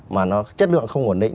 mà nó chất lượng không ổn định